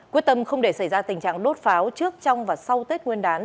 quyết tâm không để xảy ra tình trạng đốt pháo trước trong và sau tết nguyên đán